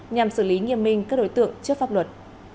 nhằm xử lý nghiêm minh các đối tượng trước pháp luật